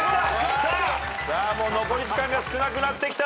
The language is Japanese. さあもう残り時間が少なくなってきた。